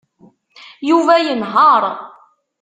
Yuba yenheṛ.